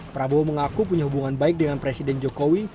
prabowo mengaku punya hubungan baik dengan presiden jokowi